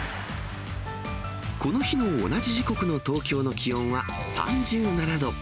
この日の同じ時刻の東京の気温は３７度。